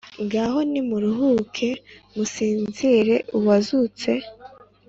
ngaho nimuruhuke, musingize uwazutse.